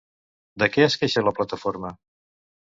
De què es queixa la plataforma?